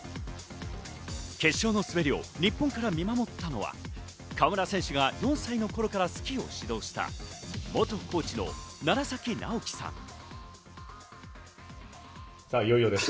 決勝の滑りを日本から見守ったのは川村選手が４歳の頃からスキーを指導した、元コーチの楢崎直樹さん。